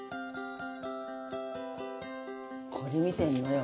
これ見てんのよ